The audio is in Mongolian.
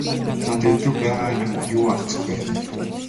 За Дэндэв байгаа юм юу алзах вэ?